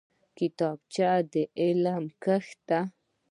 کتابچه د علم کښت دی